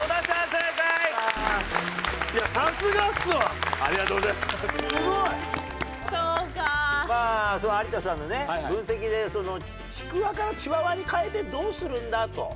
まあ有田さんの分析でちくわからチワワに変えてどうするんだ？と。